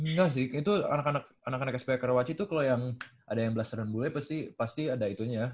nggak sih itu anak anak sph karawaci tuh kalo yang ada yang belas renung bulunya pasti ada itunya